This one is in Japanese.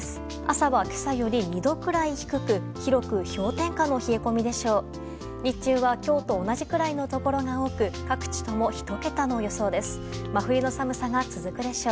朝は、今朝より２度くらい低く広く氷点下の冷え込みでしょう。